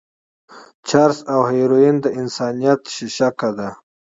چرس او هيروين د انسانيت شېشکه ده.